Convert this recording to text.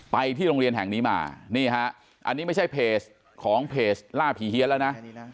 ไปที่โรงเรียนแห่งนี้มานี่ฮะอันนี้ไม่ใช่เพจของเพจล่าผีเฮียนแล้วนะ